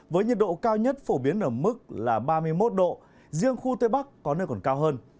với nhiệt độ cao nhất phổ biến ở mức ba mươi một độ riêng khu tây bắc có nơi còn cao hơn